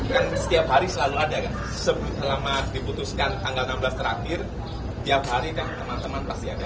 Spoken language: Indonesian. kan setiap hari selalu ada kan selama diputuskan tanggal enam belas terakhir tiap hari kayak teman teman pasti ada